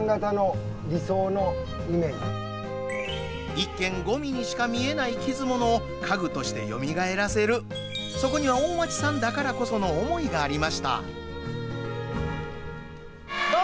一見、ごみにしか見えないきず物を家具としてよみがえらせるそこには大町さんだからこその思いがありました。